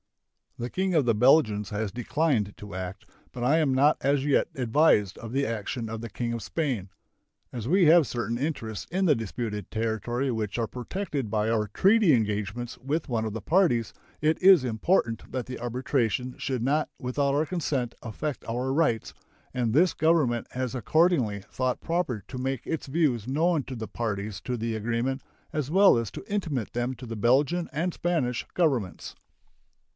The King of the Belgians has declined to act, but I am not as yet advised of the action of the King of Spain. As we have certain interests in the disputed territory which are protected by our treaty engagements with one of the parties, it is important that the arbitration should not without our consent affect our rights, and this Government has accordingly thought proper to make its views known to the parties to the agreement, as well as to intimate them to the Belgian and Spanish Governments.